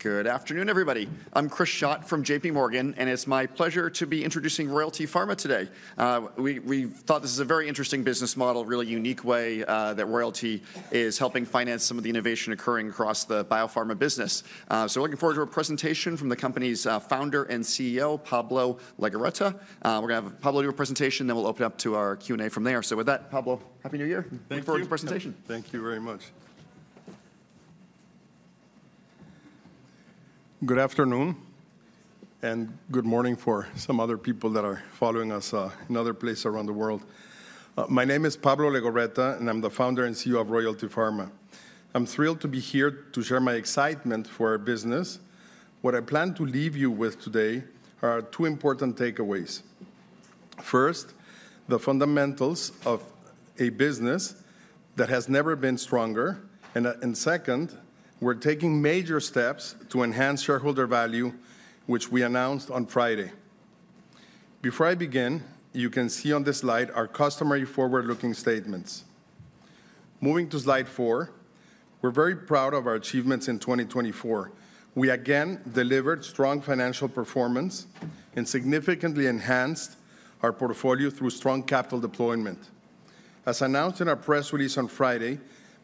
Good afternoon, everybody. I'm Chris Schott from J.P. Morgan, and it's my pleasure to be introducing Royalty Pharma today. We thought this is a very interesting business model, a really unique way that Royalty is helping finance some of the innovation occurring across the biopharma business. So we're looking forward to a presentation from the company's founder and CEO, Pablo Legorreta. We're going to have Pablo do a presentation, then we'll open it up to our Q&A from there. So with that, Pablo, Happy New Year. Thank you. Looking forward to the presentation. Thank you very much. Good afternoon and good morning for some other people that are following us in other places around the world. My name is Pablo Legorreta, and I'm the founder and CEO of Royalty Pharma. I'm thrilled to be here to share my excitement for our business. What I plan to leave you with today are two important takeaways. First, the fundamentals of a business that has never been stronger, and second, we're taking major steps to enhance shareholder value, which we announced on Friday. Before I begin, you can see on this slide our customary forward-looking statements. Moving to slide four, we're very proud of our achievements in 2024. We again delivered strong financial performance and significantly enhanced our portfolio through strong capital deployment. As announced in our press release on Friday,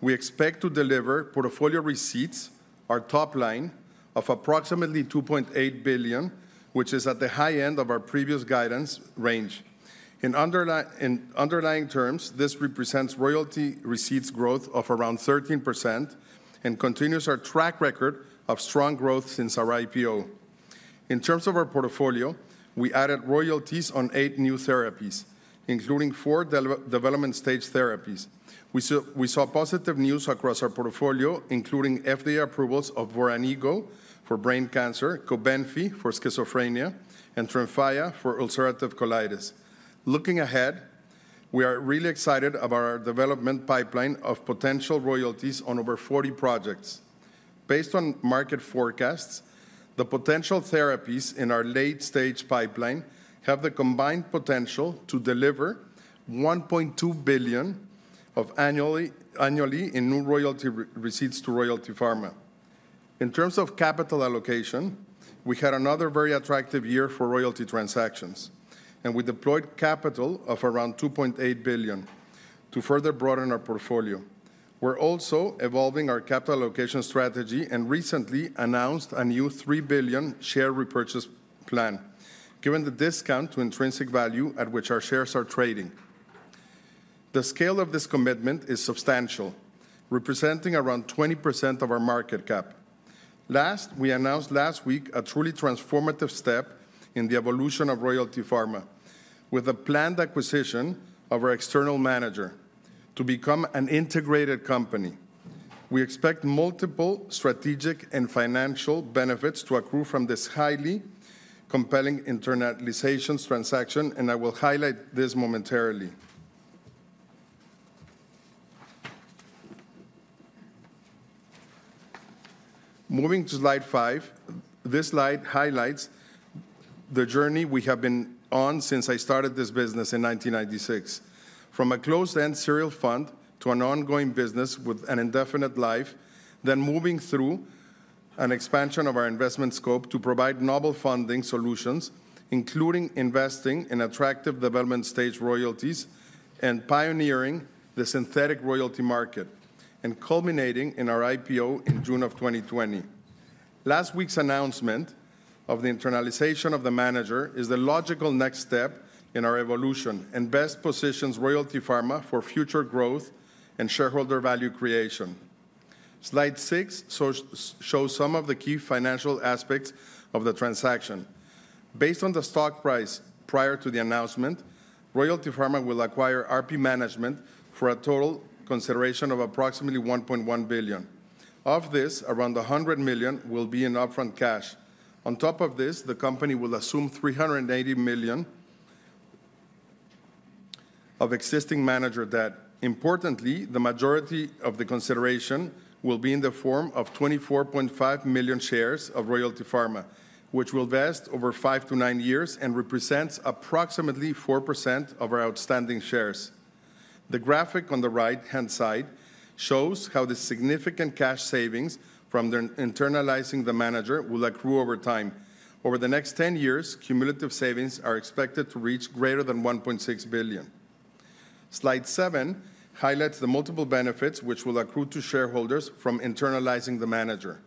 we expect to deliver portfolio receipts, our top line, of approximately $2.8 billion, which is at the high end of our previous guidance range. In underlying terms, this represents royalty receipts growth of around 13% and continues our track record of strong growth since our IPO. In terms of our portfolio, we added royalties on eight new therapies, including four development-stage therapies. We saw positive news across our portfolio, including FDA approvals of Voranigo for brain cancer, Cobenfy for schizophrenia, and Tremfya for ulcerative colitis. Looking ahead, we are really excited about our development pipeline of potential royalties on over 40 projects. Based on market forecasts, the potential therapies in our late-stage pipeline have the combined potential to deliver $1.2 billion annually in new royalty receipts to Royalty Pharma. In terms of capital allocation, we had another very attractive year for royalty transactions, and we deployed capital of around $2.8 billion to further broaden our portfolio. We're also evolving our capital allocation strategy and recently announced a new $3 billion share repurchase plan, given the discount to intrinsic value at which our shares are trading. The scale of this commitment is substantial, representing around 20% of our market cap. Last, we announced last week a truly transformative step in the evolution of Royalty Pharma, with a planned acquisition of our external manager to become an integrated company. We expect multiple strategic and financial benefits to accrue from this highly compelling internalization transaction, and I will highlight this momentarily. Moving to slide five, this slide highlights the journey we have been on since I started this business in 1996. From a closed-end serial fund to an ongoing business with an indefinite life, then moving through an expansion of our investment scope to provide novel funding solutions, including investing in attractive development-stage royalties and pioneering the synthetic royalty market, and culminating in our IPO in June of 2020. Last week's announcement of the internalization of the manager is the logical next step in our evolution and best positions Royalty Pharma for future growth and shareholder value creation. Slide six shows some of the key financial aspects of the transaction. Based on the stock price prior to the announcement, Royalty Pharma will acquire RP Management for a total consideration of approximately $1.1 billion. Of this, around $100 million will be in upfront cash. On top of this, the company will assume $380 million of existing manager debt. Importantly, the majority of the consideration will be in the form of 24.5 million shares of Royalty Pharma, which will vest over five to nine years and represents approximately 4% of our outstanding shares. The graphic on the right-hand side shows how the significant cash savings from internalizing the manager will accrue over time. Over the next 10 years, cumulative savings are expected to reach greater than $1.6 billion. Slide seven highlights the multiple benefits which will accrue to shareholders from internalizing the manager.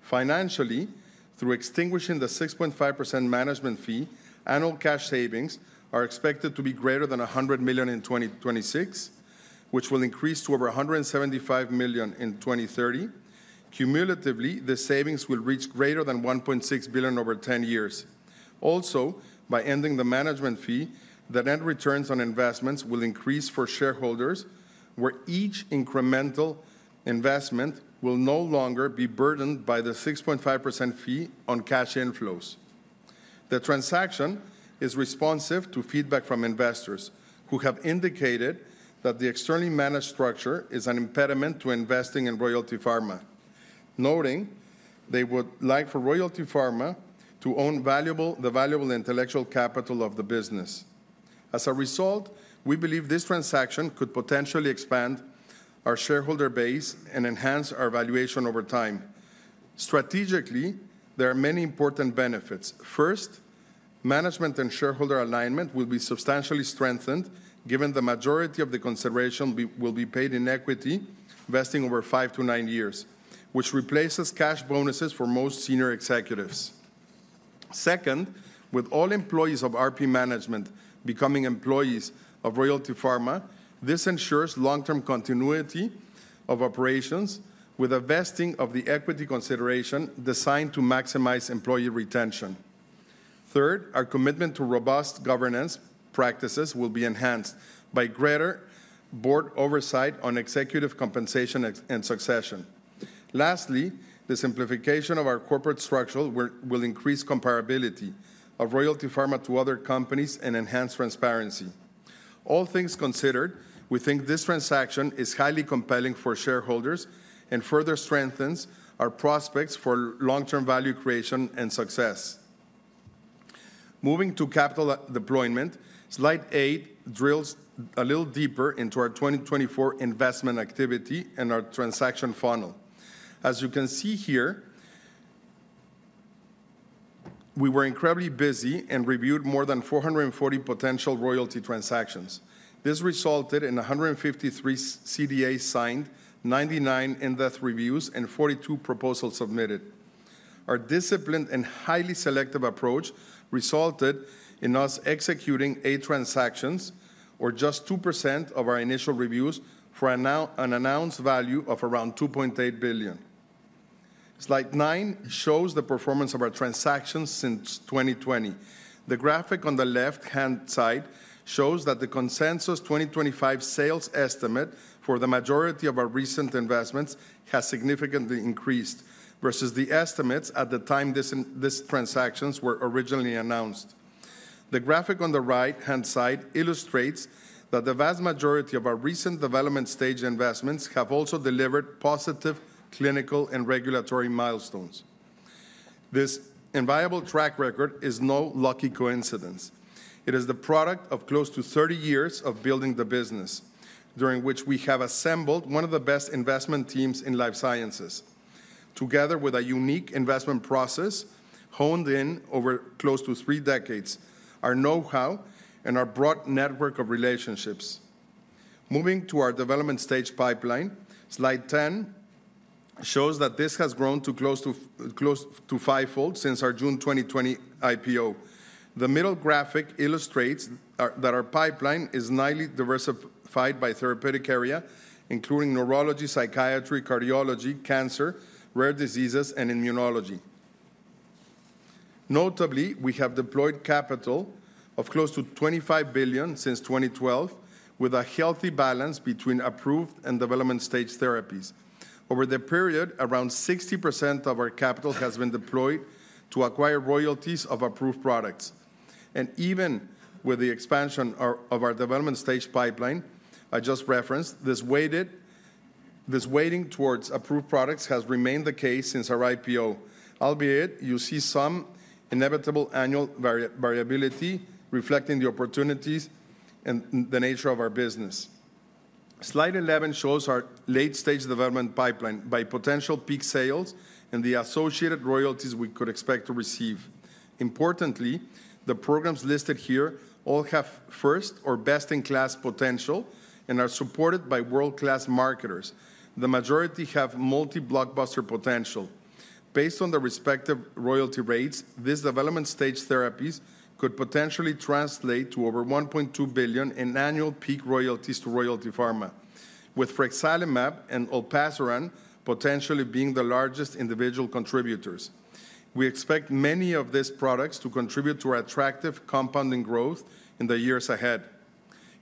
Financially, through extinguishing the 6.5% management fee, annual cash savings are expected to be greater than $100 million in 2026, which will increase to over $175 million in 2030. Cumulatively, the savings will reach greater than $1.6 billion over 10 years. Also, by ending the management fee, the net returns on investments will increase for shareholders, where each incremental investment will no longer be burdened by the 6.5% fee on cash inflows. The transaction is responsive to feedback from investors who have indicated that the externally managed structure is an impediment to investing in Royalty Pharma, noting they would like for Royalty Pharma to own the valuable intellectual capital of the business. As a result, we believe this transaction could potentially expand our shareholder base and enhance our valuation over time. Strategically, there are many important benefits. First, management and shareholder alignment will be substantially strengthened, given the majority of the consideration will be paid in equity, vesting over five to nine years, which replaces cash bonuses for most senior executives. Second, with all employees of RP Management becoming employees of Royalty Pharma, this ensures long-term continuity of operations with a vesting of the equity consideration designed to maximize employee retention. Third, our commitment to robust governance practices will be enhanced by greater board oversight on executive compensation and succession. Lastly, the simplification of our corporate structure will increase comparability of Royalty Pharma to other companies and enhance transparency. All things considered, we think this transaction is highly compelling for shareholders and further strengthens our prospects for long-term value creation and success. Moving to capital deployment, slide eight drills a little deeper into our 2024 investment activity and our transaction funnel. As you can see here, we were incredibly busy and reviewed more than 440 potential royalty transactions. This resulted in 153 CDA-signed, 99 in-depth reviews, and 42 proposals submitted. Our disciplined and highly selective approach resulted in us executing eight transactions, or just 2% of our initial reviews, for an announced value of around $2.8 billion. Slide nine shows the performance of our transactions since 2020. The graphic on the left-hand side shows that the consensus 2025 sales estimate for the majority of our recent investments has significantly increased versus the estimates at the time these transactions were originally announced. The graphic on the right-hand side illustrates that the vast majority of our recent development-stage investments have also delivered positive clinical and regulatory milestones. This invaluable track record is no lucky coincidence. It is the product of close to 30 years of building the business, during which we have assembled one of the best investment teams in life sciences. Together with a unique investment process honed over close to three decades, our know-how and our broad network of relationships. Moving to our development-stage pipeline, slide 10 shows that this has grown to close to five-fold since our June 2020 IPO. The middle graphic illustrates that our pipeline is nicely diversified by therapeutic area, including neurology, psychiatry, cardiology, cancer, rare diseases, and immunology. Notably, we have deployed capital of close to $25 billion since 2012, with a healthy balance between approved and development-stage therapies. Over the period, around 60% of our capital has been deployed to acquire royalties of approved products. And even with the expansion of our development-stage pipeline, I just referenced, this weighting towards approved products has remained the case since our IPO, albeit you see some inevitable annual variability reflecting the opportunities and the nature of our business. Slide 11 shows our late-stage development pipeline by potential peak sales and the associated royalties we could expect to receive. Importantly, the programs listed here all have first or best-in-class potential and are supported by world-class marketers. The majority have multi-blockbuster potential. Based on the respective royalty rates, these development-stage therapies could potentially translate to over $1.2 billion in annual peak royalties to Royalty Pharma, with frexalimab and olpasiran potentially being the largest individual contributors. We expect many of these products to contribute to our attractive compounding growth in the years ahead.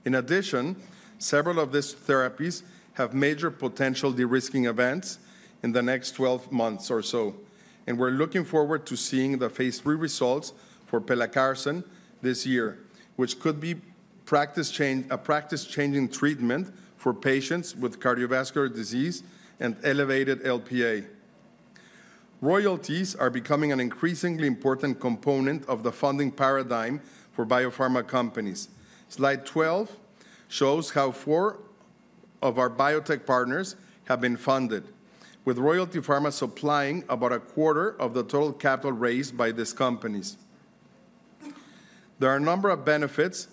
In addition, several of these therapies have major potential de-risking events in the next 12 months or so. We're looking forward to seeing the phase three results for pelacarsen this year, which could be a practice-changing treatment for patients with cardiovascular disease and elevated Lp(a). Royalties are becoming an increasingly important component of the funding paradigm for biopharma companies. Slide 12 shows how four of our biotech partners have been funded, with Royalty Pharma supplying about a quarter of the total capital raised by these companies. There are a number of benefits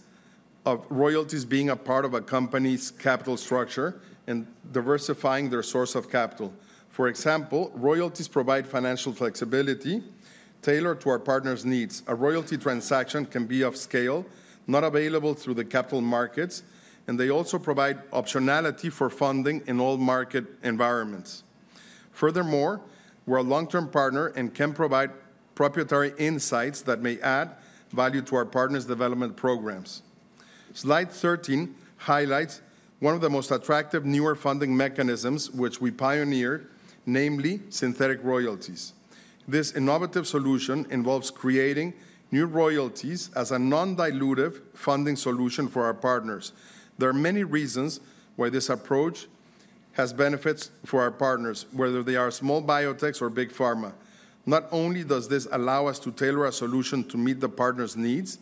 of royalties being a part of a company's capital structure and diversifying their source of capital. For example, royalties provide financial flexibility tailored to our partners' needs. A royalty transaction can be of scale, not available through the capital markets, and they also provide optionality for funding in all market environments. Furthermore, we're a long-term partner and can provide proprietary insights that may add value to our partners' development programs. Slide 13 highlights one of the most attractive newer funding mechanisms which we pioneered, namely synthetic royalties. This innovative solution involves creating new royalties as a non-dilutive funding solution for our partners. There are many reasons why this approach has benefits for our partners, whether they are small biotechs or big pharma. Not only does this allow us to tailor a solution to meet the partner's needs,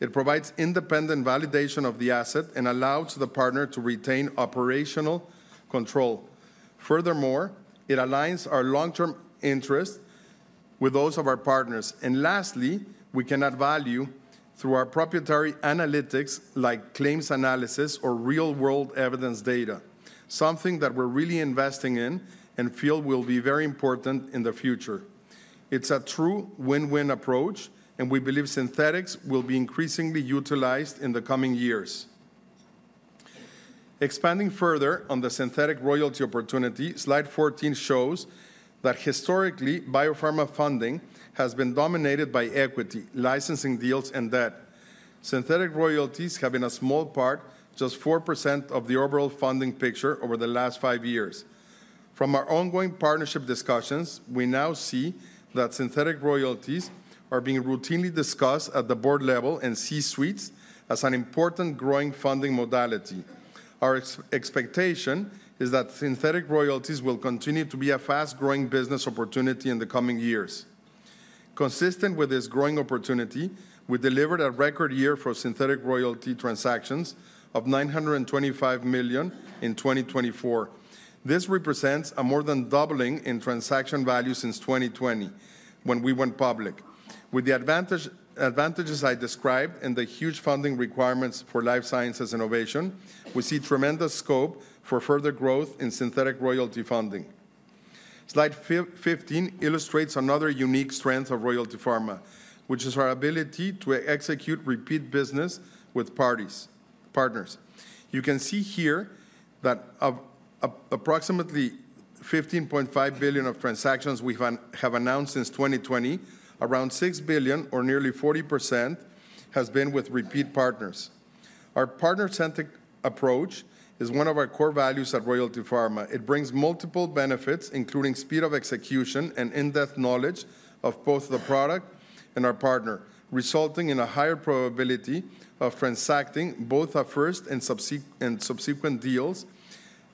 it provides independent validation of the asset and allows the partner to retain operational control. Furthermore, it aligns our long-term interests with those of our partners. And lastly, we can add value through our proprietary analytics like claims analysis or real-world evidence data, something that we're really investing in and feel will be very important in the future. It's a true win-win approach, and we believe synthetics will be increasingly utilized in the coming years. Expanding further on the synthetic royalty opportunity, slide 14 shows that historically, biopharma funding has been dominated by equity, licensing deals, and debt. Synthetic royalties have been a small part, just 4% of the overall funding picture over the last five years. From our ongoing partnership discussions, we now see that synthetic royalties are being routinely discussed at the board level and C-suites as an important growing funding modality. Our expectation is that synthetic royalties will continue to be a fast-growing business opportunity in the coming years. Consistent with this growing opportunity, we delivered a record year for synthetic royalty transactions of $925 million in 2024. This represents a more than doubling in transaction value since 2020 when we went public. With the advantages I described and the huge funding requirements for life sciences innovation, we see tremendous scope for further growth in synthetic royalty funding. Slide 15 illustrates another unique strength of Royalty Pharma, which is our ability to execute repeat business with partners. You can see here that approximately $15.5 billion of transactions we have announced since 2020, around $6 billion, or nearly 40%, has been with repeat partners. Our partner-centric approach is one of our core values at Royalty Pharma. It brings multiple benefits, including speed of execution and in-depth knowledge of both the product and our partner, resulting in a higher probability of transacting both our first and subsequent deals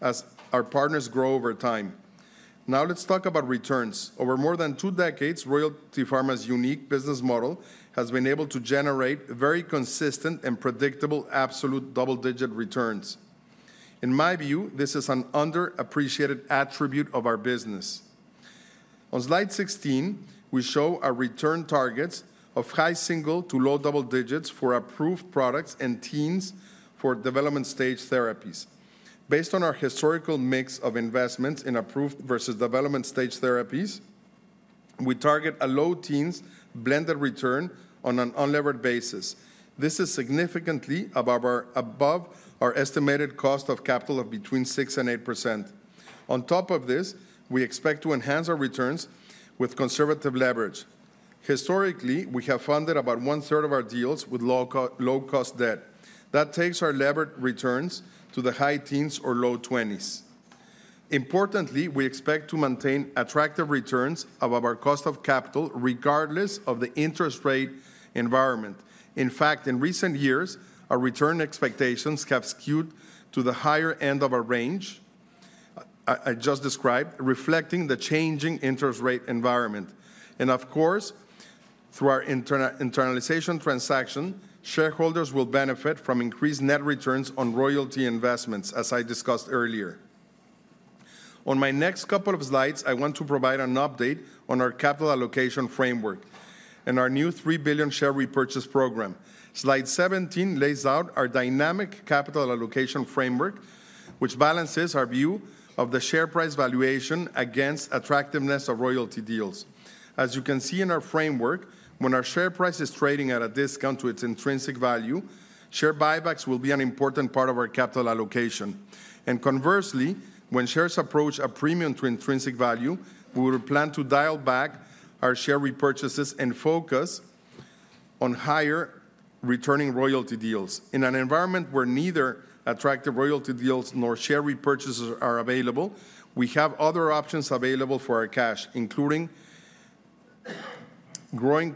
as our partners grow over time. Now let's talk about returns. Over more than two decades, Royalty Pharma's unique business model has been able to generate very consistent and predictable absolute double-digit returns. In my view, this is an underappreciated attribute of our business. On slide 16, we show our return targets of high single to low double digits for approved products and teens for development-stage therapies. Based on our historical mix of investments in approved versus development-stage therapies, we target a low teens blended return on an unlevered basis. This is significantly above our estimated cost of capital of between 6% and 8%. On top of this, we expect to enhance our returns with conservative leverage. Historically, we have funded about one-third of our deals with low-cost debt. That takes our levered returns to the high teens or low 20s. Importantly, we expect to maintain attractive returns above our cost of capital, regardless of the interest rate environment. In fact, in recent years, our return expectations have skewed to the higher end of our range I just described, reflecting the changing interest rate environment, and of course, through our internalization transaction, shareholders will benefit from increased net returns on royalty investments, as I discussed earlier. On my next couple of slides, I want to provide an update on our capital allocation framework and our new $3 billion share repurchase program. Slide 17 lays out our dynamic capital allocation framework, which balances our view of the share price valuation against attractiveness of royalty deals. As you can see in our framework, when our share price is trading at a discount to its intrinsic value, share buybacks will be an important part of our capital allocation. And conversely, when shares approach a premium to intrinsic value, we will plan to dial back our share repurchases and focus on higher returning royalty deals. In an environment where neither attractive royalty deals nor share repurchases are available, we have other options available for our cash, including growing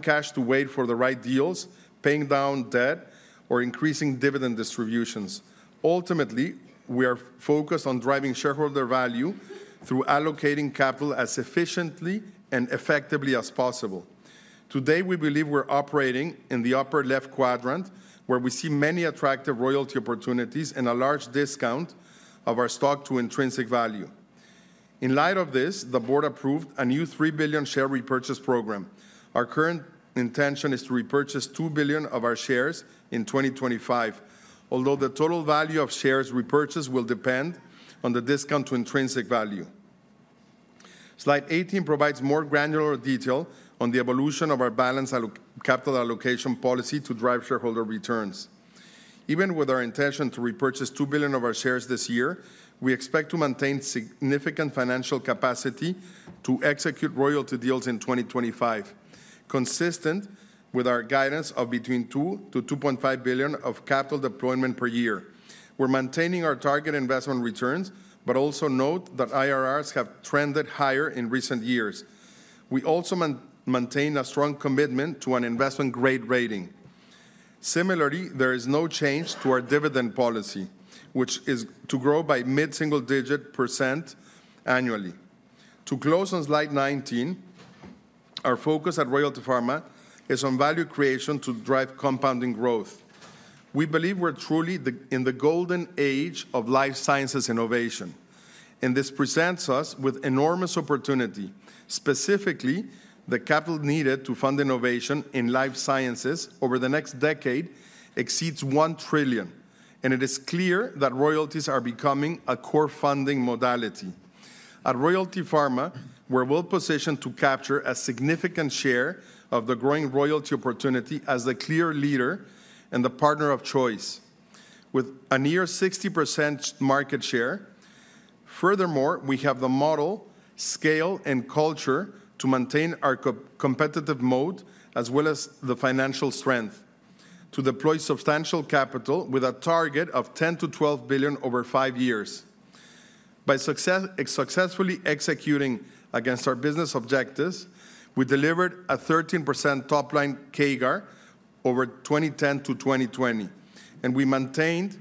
cash to wait for the right deals, paying down debt, or increasing dividend distributions. Ultimately, we are focused on driving shareholder value through allocating capital as efficiently and effectively as possible. Today, we believe we're operating in the upper left quadrant, where we see many attractive royalty opportunities and a large discount of our stock to intrinsic value. In light of this, the board approved a new $3 billion share repurchase program. Our current intention is to repurchase $2 billion of our shares in 2025, although the total value of shares repurchased will depend on the discount to intrinsic value. Slide 18 provides more granular detail on the evolution of our balanced capital allocation policy to drive shareholder returns. Even with our intention to repurchase $2 billion of our shares this year, we expect to maintain significant financial capacity to execute royalty deals in 2025, consistent with our guidance of between $2 billion-$2.5 billion of capital deployment per year. We're maintaining our target investment returns, but also note that IRRs have trended higher in recent years. We also maintain a strong commitment to an investment grade rating. Similarly, there is no change to our dividend policy, which is to grow by mid-single-digit % annually. To close on slide 19, our focus at Royalty Pharma is on value creation to drive compounding growth. We believe we're truly in the golden age of life sciences innovation, and this presents us with enormous opportunity. Specifically, the capital needed to fund innovation in life sciences over the next decade exceeds $1 trillion, and it is clear that royalties are becoming a core funding modality. At Royalty Pharma, we're well positioned to capture a significant share of the growing royalty opportunity as the clear leader and the partner of choice, with a near 60% market share. Furthermore, we have the model, scale, and culture to maintain our competitive moat as well as the financial strength to deploy substantial capital with a target of $10 billion-$12 billion over five years. By successfully executing against our business objectives, we delivered a 13% top-line CAGR over 2010 to 2020, and we maintained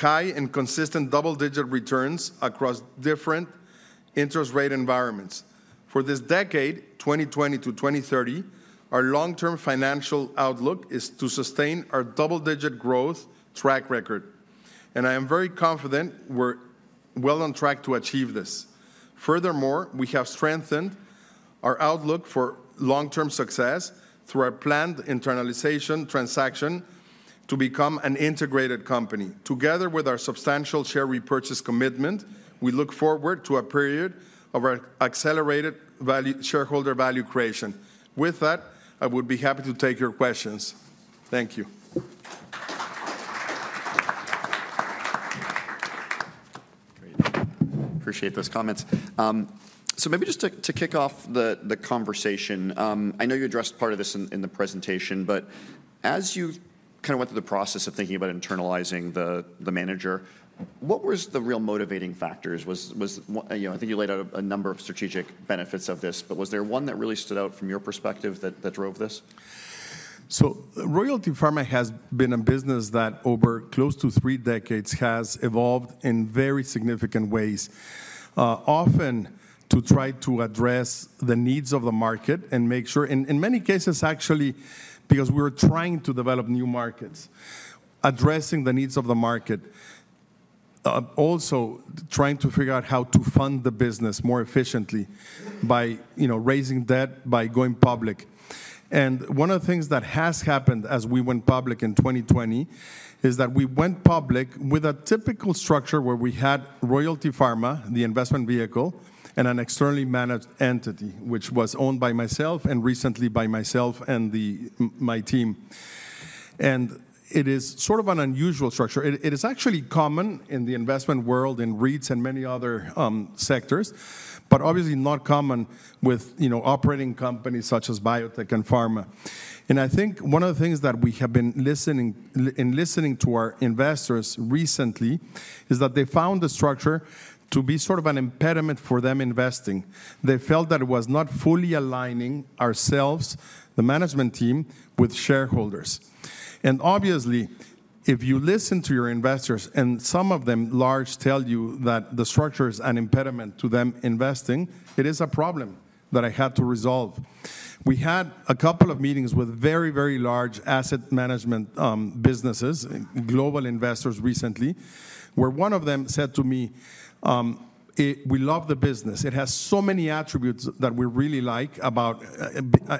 high and consistent double-digit returns across different interest rate environments. For this decade, 2020 to 2030, our long-term financial outlook is to sustain our double-digit growth track record, and I am very confident we're well on track to achieve this. Furthermore, we have strengthened our outlook for long-term success through our planned internalization transaction to become an integrated company. Together with our substantial share repurchase commitment, we look forward to a period of our accelerated shareholder value creation. With that, I would be happy to take your questions. Thank you. Great. Appreciate those comments. So maybe just to kick off the conversation, I know you addressed part of this in the presentation, but as you kind of went through the process of thinking about internalizing the manager, what were the real motivating factors? I think you laid out a number of strategic benefits of this, but was there one that really stood out from your perspective that drove this? So Royalty Pharma has been a business that over close to three decades has evolved in very significant ways, often to try to address the needs of the market and make sure, in many cases, actually, because we were trying to develop new markets, addressing the needs of the market, also trying to figure out how to fund the business more efficiently by raising debt, by going public. And one of the things that has happened as we went public in 2020 is that we went public with a typical structure where we had Royalty Pharma, the investment vehicle, and an externally managed entity, which was owned by myself and recently by myself and my team. And it is sort of an unusual structure. It is actually common in the investment world, in REITs and many other sectors, but obviously not common with operating companies such as biotech and pharma. And I think one of the things that we have been listening to our investors recently is that they found the structure to be sort of an impediment for them investing. They felt that it was not fully aligning ourselves, the management team, with shareholders. And obviously, if you listen to your investors, and some of them large tell you that the structure is an impediment to them investing, it is a problem that I had to resolve. We had a couple of meetings with very, very large asset management businesses, global investors recently, where one of them said to me, "We love the business. It has so many attributes that we really like about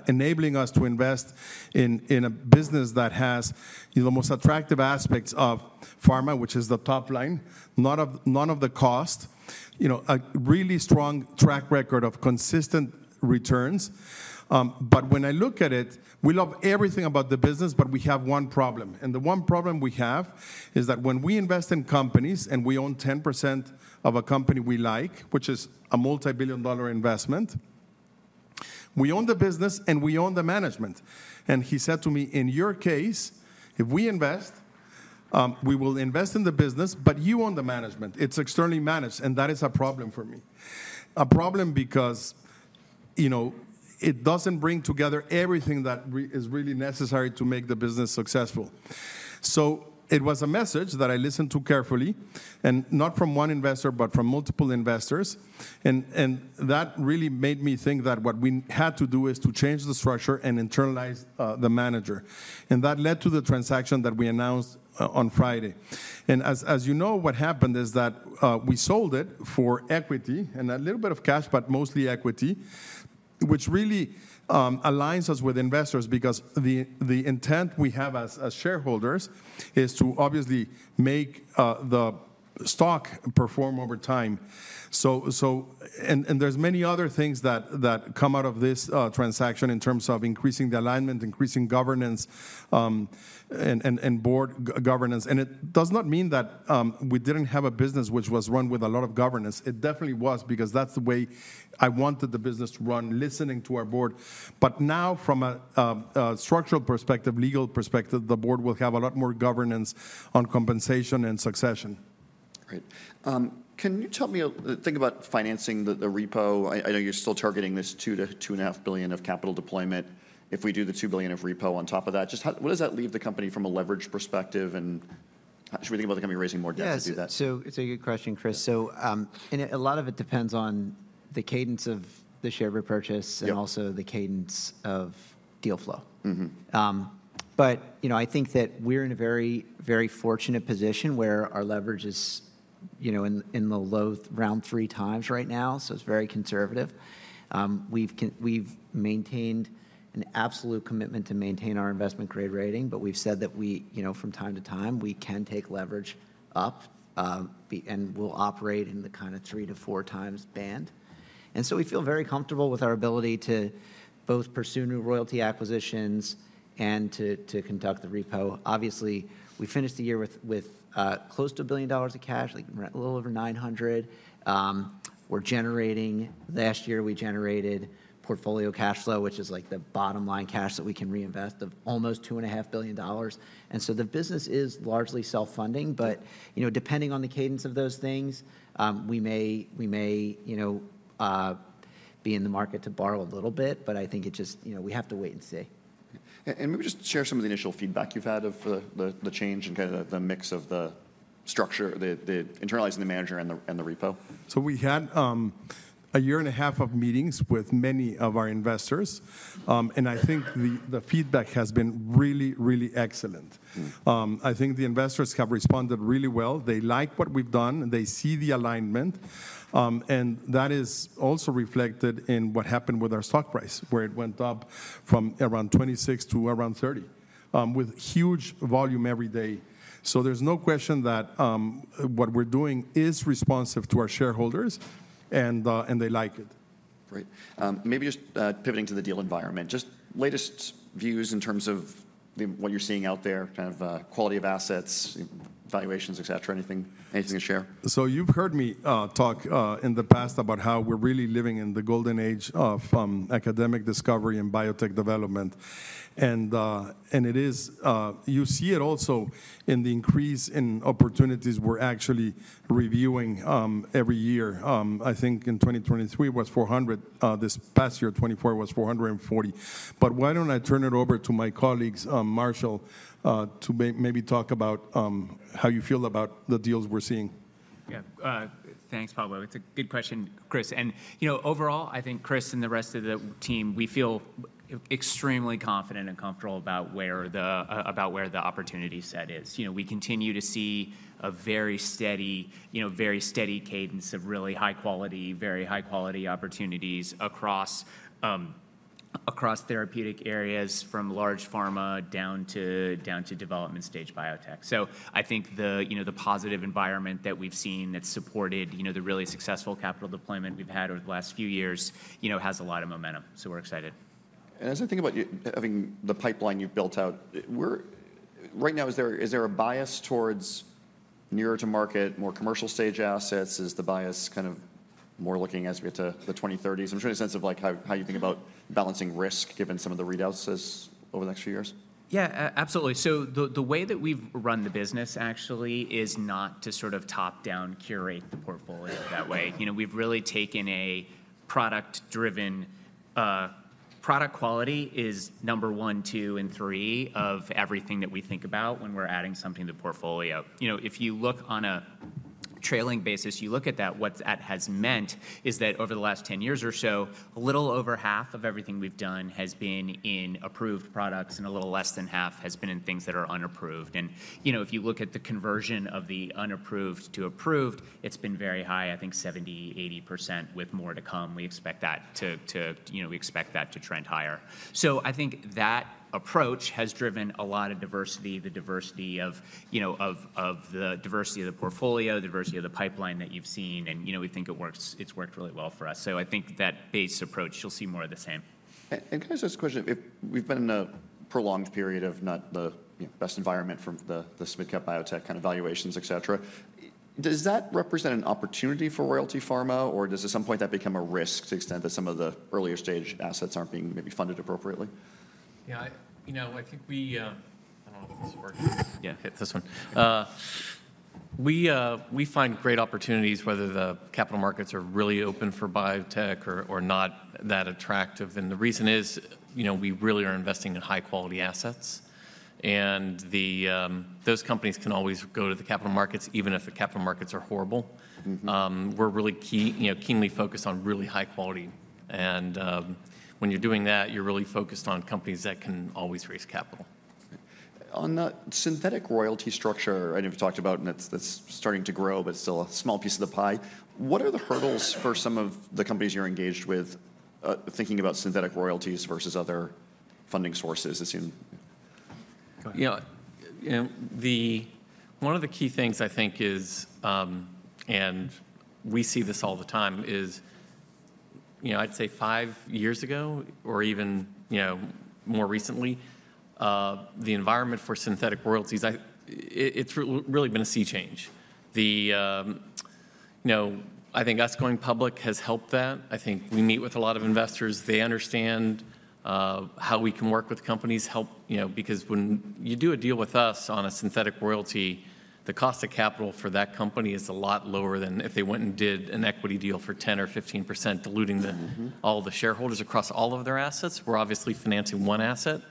enabling us to invest in a business that has the most attractive aspects of pharma, which is the top line, none of the cost, a really strong track record of consistent returns. But when I look at it, we love everything about the business, but we have one problem. And the one problem we have is that when we invest in companies and we own 10% of a company we like, which is a multi-billion-dollar investment, we own the business and we own the management. And he said to me, "In your case, if we invest, we will invest in the business, but you own the management. It's externally managed." And that is a problem for me. A problem because it doesn't bring together everything that is really necessary to make the business successful. So it was a message that I listened to carefully, and not from one investor, but from multiple investors. And that really made me think that what we had to do is to change the structure and internalize the manager. And that led to the transaction that we announced on Friday. And as you know, what happened is that we sold it for equity and a little bit of cash, but mostly equity, which really aligns us with investors because the intent we have as shareholders is to obviously make the stock perform over time. And there's many other things that come out of this transaction in terms of increasing the alignment, increasing governance, and board governance. And it does not mean that we didn't have a business which was run with a lot of governance. It definitely was because that's the way I wanted the business to run, listening to our board. But now, from a structural perspective, legal perspective, the board will have a lot more governance on compensation and succession. Great. Can you tell me a thing about financing the repo? I know you're still targeting this $2 billion-$2.5 billion of capital deployment. If we do the $2 billion of repo on top of that, just what does that leave the company from a leverage perspective? And should we think about the company raising more debt to do that? Yes. So it's a good question, Chris. So a lot of it depends on the cadence of the share repurchase and also the cadence of deal flow. But I think that we're in a very, very fortunate position where our leverage is in the low round three times right now, so it's very conservative. We've maintained an absolute commitment to maintain our investment grade rating, but we've said that from time to time, we can take leverage up and we'll operate in the kind of three to four times band. And so we feel very comfortable with our ability to both pursue new royalty acquisitions and to conduct the repo. Obviously, we finished the year with close to $1 billion of cash, a little over $900 million. Last year, we generated portfolio cash flow, which is like the bottom-line cash that we can reinvest of almost $2.5 billion. And so the business is largely self-funding, but depending on the cadence of those things, we may be in the market to borrow a little bit, but I think it just we have to wait and see. Maybe just share some of the initial feedback you've had of the change and kind of the mix of the structure, the internalizing the manager and the repo. We had a year and a half of meetings with many of our investors. And I think the feedback has been really, really excellent. I think the investors have responded really well. They like what we've done. They see the alignment. And that is also reflected in what happened with our stock price, where it went up from around $26 to around $30 with huge volume every day. There's no question that what we're doing is responsive to our shareholders, and they like it. Great. Maybe just pivoting to the deal environment, just latest views in terms of what you're seeing out there, kind of quality of assets, valuations, et cetera, anything to share? So you've heard me talk in the past about how we're really living in the golden age of academic discovery and biotech development. And you see it also in the increase in opportunities we're actually reviewing every year. I think in 2023 was 400. This past year, 2024, was 440. But why don't I turn it over to my colleagues, Marshall, to maybe talk about how you feel about the deals we're seeing? Yeah. Thanks, Pablo. It's a good question, Chris. And overall, I think Chris and the rest of the team, we feel extremely confident and comfortable about where the opportunity set is. We continue to see a very steady cadence of really high-quality, very high-quality opportunities across therapeutic areas from large pharma down to development-stage biotech. So I think the positive environment that we've seen that's supported the really successful capital deployment we've had over the last few years has a lot of momentum. So we're excited. And as I think about the pipeline you've built out, right now, is there a bias towards nearer-to-market, more commercial-stage assets? Is the bias kind of more looking as we get to the 2030s? I'm trying to get a sense of how you think about balancing risk given some of the readouts over the next few years. Yeah, absolutely. So the way that we've run the business actually is not to sort of top-down curate the portfolio that way. We've really taken a product-driven product quality is number one, two, and three of everything that we think about when we're adding something to the portfolio. If you look on a trailing basis, you look at that, what that has meant is that over the last 10 years or so, a little over half of everything we've done has been in approved products and a little less than half has been in things that are unapproved. And if you look at the conversion of the unapproved to approved, it's been very high, I think 70%-80% with more to come. We expect that to trend higher. So I think that approach has driven a lot of diversity, the diversity of the portfolio, the diversity of the pipeline that you've seen, and we think it works. It's worked really well for us, so I think that base approach. You'll see more of the same. And can I ask this question? We've been in a prolonged period of not the best environment from the S&P Biotech kind of valuations, et cetera. Does that represent an opportunity for Royalty Pharma, or does at some point that become a risk to the extent that some of the earlier-stage assets aren't being maybe funded appropriately? Yeah. I don't know if this is working. Yeah, hit this one. We find great opportunities, whether the capital markets are really open for biotech or not, that attractive. And the reason is we really are investing in high-quality assets. And those companies can always go to the capital markets, even if the capital markets are horrible. We're really keenly focused on really high quality. And when you're doing that, you're really focused on companies that can always raise capital. On the synthetic royalty structure, I know we've talked about, and that's starting to grow, but it's still a small piece of the pie. What are the hurdles for some of the companies you're engaged with thinking about synthetic royalties versus other funding sources? One of the key things I think is, and we see this all the time, is I'd say five years ago or even more recently, the environment for synthetic royalties, it's really been a sea change. I think us going public has helped that. I think we meet with a lot of investors. They understand how we can work with companies because when you do a deal with us on a synthetic royalty, the cost of capital for that company is a lot lower than if they went and did an equity deal for 10% or 15%, diluting all the shareholders across all of their assets. We're obviously financing one asset.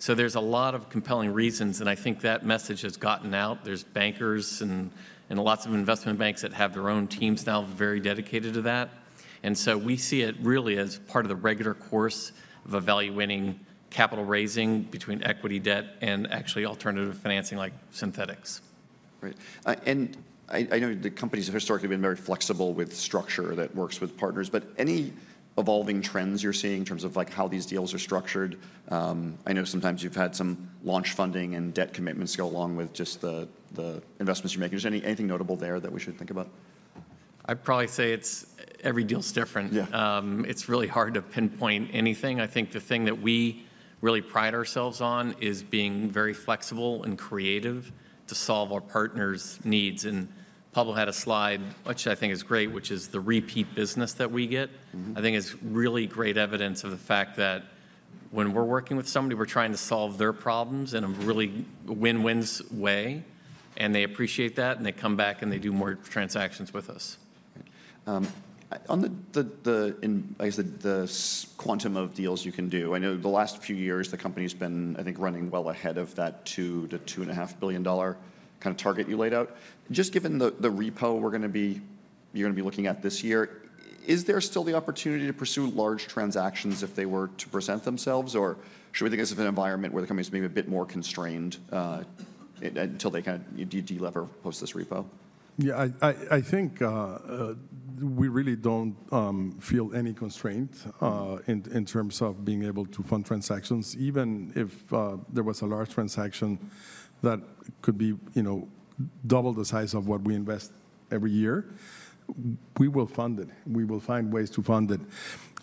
So there's a lot of compelling reasons, and I think that message has gotten out. There's bankers and lots of investment banks that have their own teams now very dedicated to that. We see it really as part of the regular course of evaluating capital raising between equity debt and actually alternative financing like synthetics. Great. And I know the companies have historically been very flexible with structure that works with partners, but any evolving trends you're seeing in terms of how these deals are structured? I know sometimes you've had some launch funding and debt commitments go along with just the investments you're making. Just anything notable there that we should think about? I'd probably say every deal is different. It's really hard to pinpoint anything. I think the thing that we really pride ourselves on is being very flexible and creative to solve our partners' needs. And Pablo had a slide, which I think is great, which is the repeat business that we get. I think it's really great evidence of the fact that when we're working with somebody, we're trying to solve their problems in a really win-win way, and they appreciate that, and they come back and they do more transactions with us. On the, I guess, the quantum of deals you can do, I know the last few years, the company's been, I think, running well ahead of that $2 billion-$2.5 billion kind of target you laid out. Just given the repo you're going to be looking at this year, is there still the opportunity to pursue large transactions if they were to present themselves, or should we think this is an environment where the company's maybe a bit more constrained until they kind of delever post this repo? Yeah, I think we really don't feel any constraint in terms of being able to fund transactions. Even if there was a large transaction that could be double the size of what we invest every year, we will fund it. We will find ways to fund it.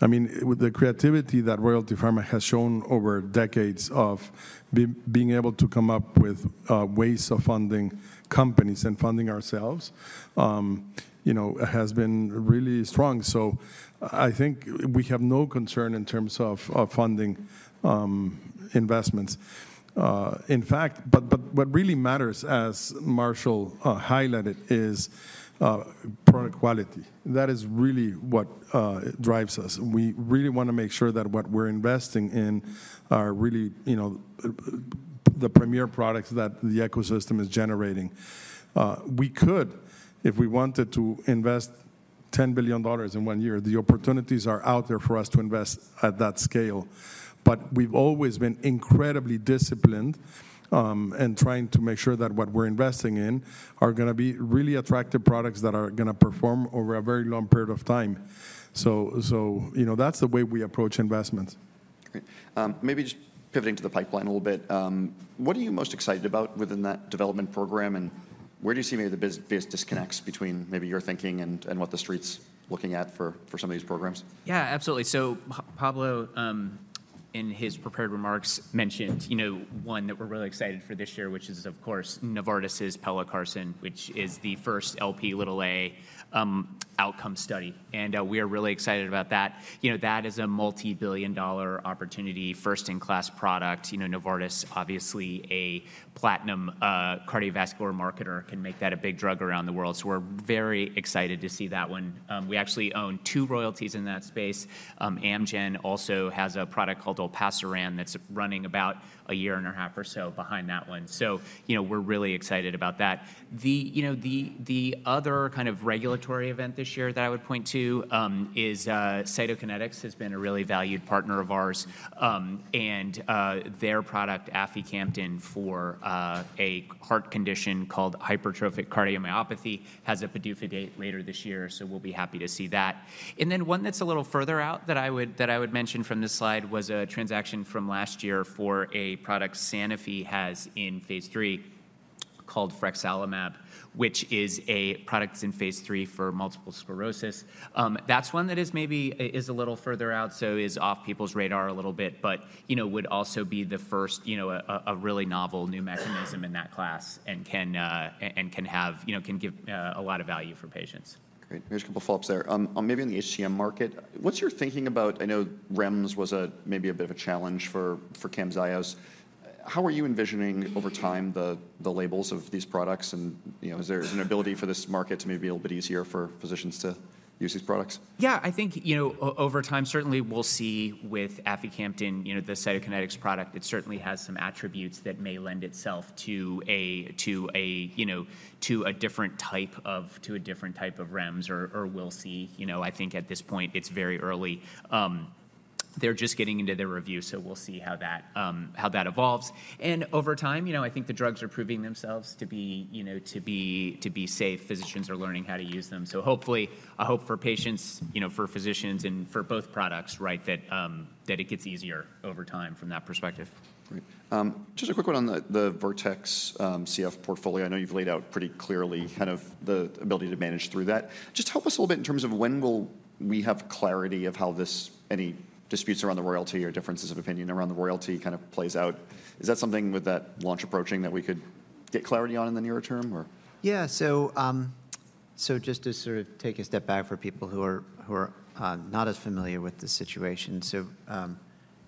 I mean, with the creativity that Royalty Pharma has shown over decades of being able to come up with ways of funding companies and funding ourselves has been really strong. So I think we have no concern in terms of funding investments. In fact, but what really matters, as Marshall highlighted, is product quality. That is really what drives us. We really want to make sure that what we're investing in are really the premier products that the ecosystem is generating. We could, if we wanted to invest $10 billion in one year, the opportunities are out there for us to invest at that scale. But we've always been incredibly disciplined and trying to make sure that what we're investing in are going to be really attractive products that are going to perform over a very long period of time. So that's the way we approach investments. Great. Maybe just pivoting to the pipeline a little bit, what are you most excited about within that development program, and where do you see maybe the biggest disconnects between maybe your thinking and what the street's looking at for some of these programs? Yeah, absolutely, so Pablo, in his prepared remarks, mentioned one that we're really excited for this year, which is, of course, Novartis' pelacarsen, which is the first Lp(a) outcome study, and we are really excited about that. That is a multi-billion-dollar opportunity, first-in-class product. Novartis, obviously, a platinum cardiovascular marketer, can make that a big drug around the world, so we're very excited to see that one. We actually own two royalties in that space. Amgen also has a product called olpasiran that's running about a year and a half or so behind that one, so we're really excited about that. The other kind of regulatory event this year that I would point to is, Cytokinetics has been a really valued partner of ours. Their product, aficamten, for a heart condition called hypertrophic cardiomyopathy, has a PDUFA date later this year, so we'll be happy to see that. Then one that's a little further out that I would mention from this slide was a transaction from last year for a product Sanofi has in phase III called frexalimab, which is a product in phase III for multiple sclerosis. That's one that maybe is a little further out, so is off people's radar a little bit, but would also be the first, a really novel new mechanism in that class and can give a lot of value for patients. Great. Maybe just a couple of follow-ups there. Maybe in the HCM market, what's your thinking about? I know REMS was maybe a bit of a challenge for CAMZYOS. How are you envisioning over time the labels of these products, and is there an ability for this market to maybe be a little bit easier for physicians to use these products? Yeah, I think over time, certainly we'll see with aficamten, the Cytokinetics product, it certainly has some attributes that may lend itself to a different type of REMS, or we'll see. I think at this point, it's very early. They're just getting into their review, so we'll see how that evolves. And over time, I think the drugs are proving themselves to be safe. Physicians are learning how to use them. So hopefully, I hope for patients, for physicians, and for both products, right, that it gets easier over time from that perspective. Great. Just a quick one on the Vertex CF portfolio. I know you've laid out pretty clearly kind of the ability to manage through that. Just help us a little bit in terms of when will we have clarity of how any disputes around the royalty or differences of opinion around the royalty kind of plays out. Is that something with that launch approaching that we could get clarity on in the nearer term, or? Yeah. So just to sort of take a step back for people who are not as familiar with the situation. So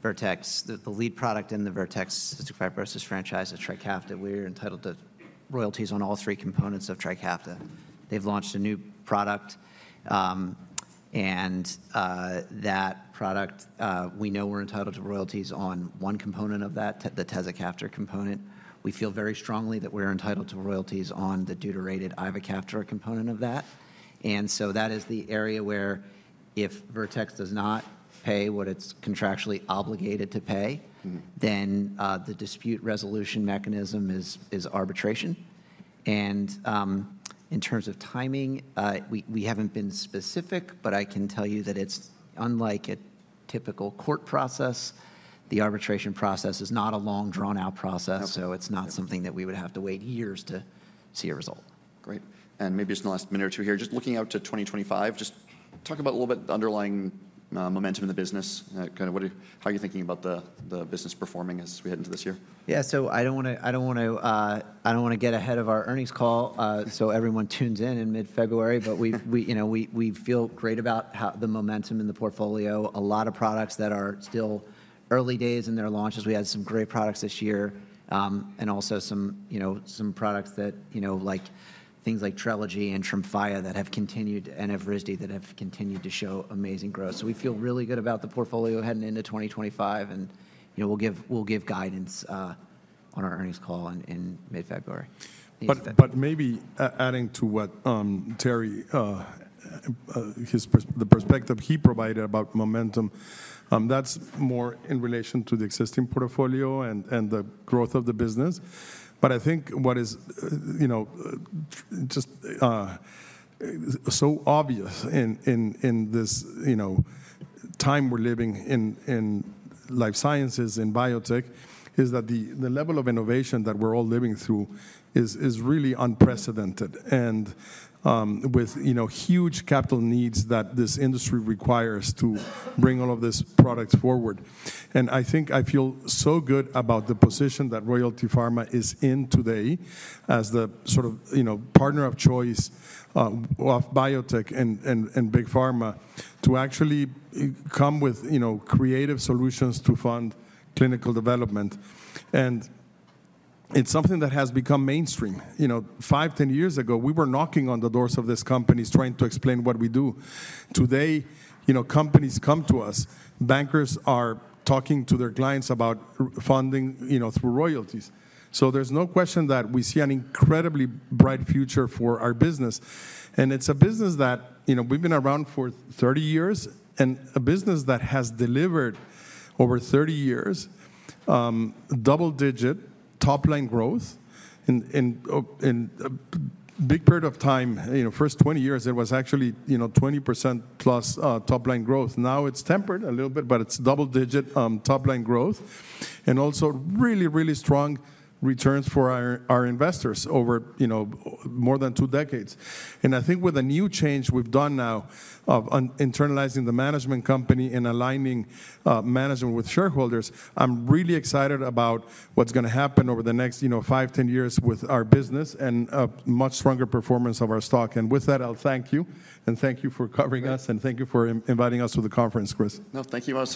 Vertex, the lead product in the Vertex cystic fibrosis franchise is TRIKAFTA. We're entitled to royalties on all three components of TRIKAFTA. They've launched a new product. And that product, we know we're entitled to royalties on one component of that, the tezacaftor component. We feel very strongly that we're entitled to royalties on the deuterated ivacaftor component of that. And so that is the area where if Vertex does not pay what it's contractually obligated to pay, then the dispute resolution mechanism is arbitration. And in terms of timing, we haven't been specific, but I can tell you that it's unlike a typical court process. The arbitration process is not a long, drawn-out process, so it's not something that we would have to wait years to see a result. Great. And maybe just in the last minute or two here, just looking out to 2025, just talk about a little bit of the underlying momentum in the business, kind of how you're thinking about the business performing as we head into this year. Yeah. So I don't want to get ahead of our earnings call so everyone tunes in in mid-February, but we feel great about the momentum in the portfolio. A lot of products that are still early days in their launches. We had some great products this year and also some products that like things like Trelegy and Tremfya that have continued and have Evrysdi that have continued to show amazing growth. So we feel really good about the portfolio heading into 2025, and we'll give guidance on our earnings call in mid-February. But maybe adding to what Terry, the perspective he provided about momentum, that's more in relation to the existing portfolio and the growth of the business. But I think what is just so obvious in this time we're living in life sciences and biotech is that the level of innovation that we're all living through is really unprecedented and with huge capital needs that this industry requires to bring all of these products forward. And I think I feel so good about the position that Royalty Pharma is in today as the sort of partner of choice of biotech and big pharma to actually come with creative solutions to fund clinical development. And it's something that has become mainstream. Five, ten years ago, we were knocking on the doors of these companies trying to explain what we do. Today, companies come to us. Bankers are talking to their clients about funding through royalties. So there's no question that we see an incredibly bright future for our business. And it's a business that we've been around for 30 years and a business that has delivered over 30 years, double-digit top-line growth in a big period of time. First 20 years, it was actually 20%+ top-line growth. Now it's tempered a little bit, but it's double-digit top-line growth and also really, really strong returns for our investors over more than two decades. And I think with the new change we've done now of internalizing the management company and aligning management with shareholders, I'm really excited about what's going to happen over the next five, 10 years with our business and a much stronger performance of our stock. With that, I'll thank you and thank you for covering us and thank you for inviting us to the conference, Chris. No, thank you.